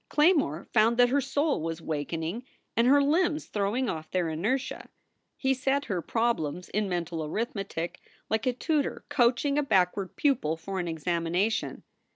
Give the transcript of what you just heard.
Claymore found that her soul was waken ing and her limbs throwing off their inertia. He set her problems in mental arithmetic like a tutor coaching a back ward pupil for an examination.